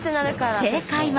正解は？